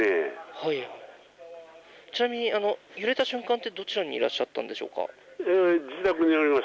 ちなみに揺れた瞬間ってどちらにいらっしゃったんでしょうか。